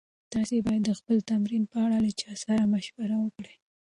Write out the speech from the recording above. تاسي باید د خپل تمرین په اړه له چا سره مشوره وکړئ.